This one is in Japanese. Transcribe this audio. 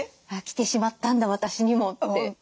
来てしまったんだ私にもって。